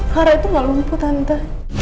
hara itu gak lumpuh tante